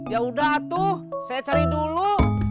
yaudah tuh saya cari dulu